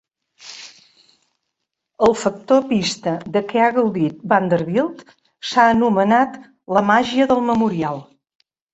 El factor pista de què ha gaudit Vanderbilt s'ha anomenat "la màgia del Memorial".